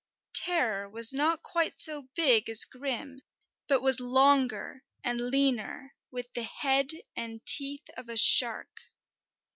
Terror was not quite so big as Grim, but was longer and leaner, with the head and teeth of a shark.